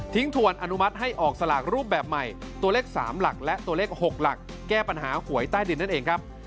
ถวนอนุมัติให้ออกสลากรูปแบบใหม่ตัวเลข๓หลักและตัวเลข๖หลักแก้ปัญหาหวยใต้ดินนั่นเองครับ